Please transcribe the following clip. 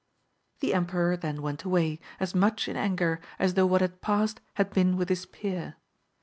The emperor then went away, as much in anger as though what had passed had been with his peer.